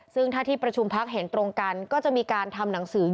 ซึ่งถ้าที่ประชุมพักเห็นตรงกันก็จะมีการทำหนังสือ